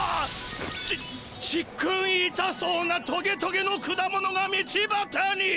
ちっちっくんいたそうなトゲトゲの果物が道ばたに。